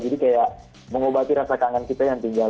jadi kayak mengobati rasa kangen kita yang tinggal